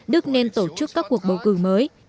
đức nên tổ chức các cuộc bầu cử mới